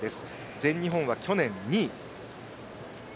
全日本は去年、２位。